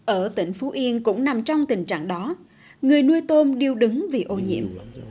ở tỉnh phú yên cũng nằm trong tình trạng đó người nuôi tôm điêu đứng vì ô nhiễm